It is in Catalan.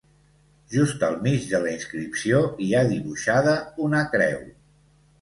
Just al mig de la inscripció hi ha dibuixada una creu.